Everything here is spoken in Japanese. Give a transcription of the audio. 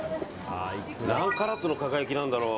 何カラットの輝きなんだろう。